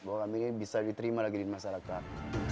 bahwa kami ini bisa diterima lagi di masyarakat